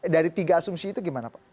dari tiga asumsi itu gimana pak